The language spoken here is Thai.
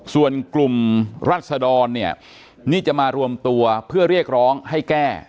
ส่วนกลุ่มรัศดรเนี่ยนี่จะมารวมตัวเพื่อเรียกร้องให้แก้